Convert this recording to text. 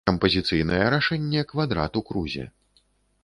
Кампазіцыйнае рашэнне квадрат у крузе.